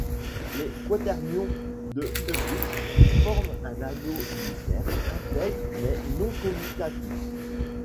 Les quaternions de Hurwitz forment un anneau unitaire, intègre mais non commutatif.